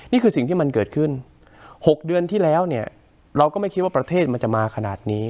นี่คือสิ่งที่มันเกิดขึ้น๖เดือนที่แล้วเนี่ยเราก็ไม่คิดว่าประเทศมันจะมาขนาดนี้